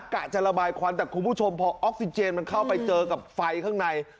กะจะระบายควันแต่คุณผู้ชมพอออกซิเจนมันเข้าไปเจอกับไฟข้างใน